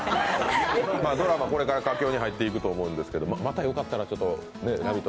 ドラマ、これから佳境に入っていくと思いますが、またよかったら、「ラヴィット！」